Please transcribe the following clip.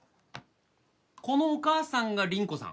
このお母さんが倫子さん。